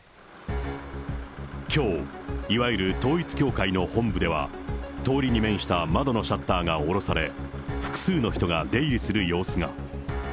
きょう、いわゆる統一教会の本部では、通りに面した窓のシャッターが下ろされ、複数の人が出入りする様子が。